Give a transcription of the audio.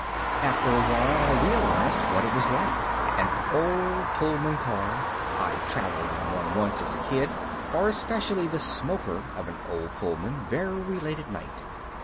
After a while I realized what it was like an old Pullman car (I'd traveled in one once as a kid) or especially the smoker of an old Pullman, very late at night.